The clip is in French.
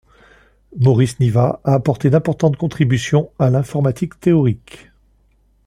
Maurice Nivat a apporté d'importantes contributions à l'informatique théorique.